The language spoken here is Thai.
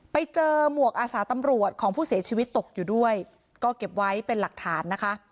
ไปเจอหมวกอาสาตำรวจของผู้เสียชีวิตตกอยู่ด้วยก็เก็บไว้เป็นหลักฐานนะคะ